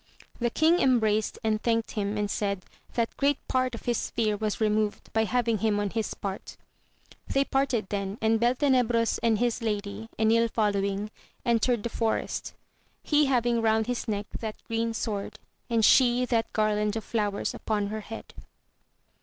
The king embraced and thanked him, and said, That great part of his fear was removed by having him on his part ; they parted then, and Beltenebros and his Lady, £nil following, entered the forest, he having round his neck that green sword, and she that garland of flowers upon her he&d.